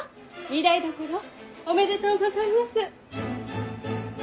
御台所おめでとうございます。